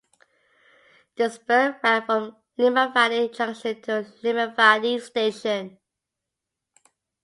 The spur ran from Limavady Junction to Limavady Station.